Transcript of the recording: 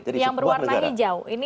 yang berwarna hijau